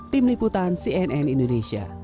tim liputan cnn indonesia